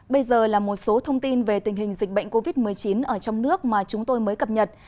bây giờ là một số thông tin về tình hình dịch bệnh covid một mươi chín ở trong nước mà chúng tôi mới cập nhật